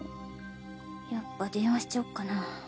やっぱ電話しちゃおっかな